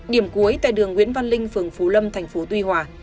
điểm cuối tại đường nguyễn văn linh phường phú lâm thành phố tuy hòa